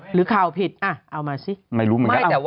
หรือข่าวผิดอ่ะเอามาสิไม่รู้เหมือนกัน